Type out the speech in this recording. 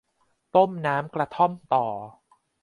ต้มน้ำกระท่อมต่อ